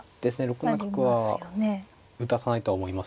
６七角は打たさないとは思いますね